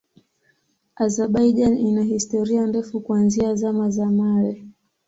Azerbaijan ina historia ndefu kuanzia Zama za Mawe.